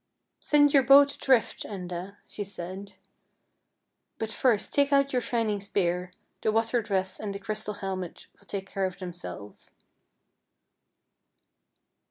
" Send your boat adrift, Enda," she said ;" but first take out your shining spear ; the water dress and the crystal helmet will take care of them selves."